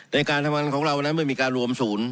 ในการทำงานของเรานั้นเมื่อมีการรวมศูนย์